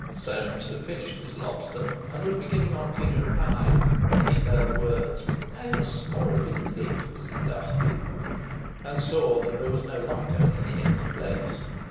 Soames had finished his lobster, and was beginning on pigeon pie, when he heard the words, "I'm a small bit late, Mrs. Dartie," and saw that there was no longer any empty place.